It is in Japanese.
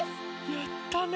やったね！